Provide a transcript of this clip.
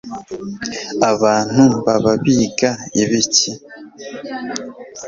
abantu baba biga ibiki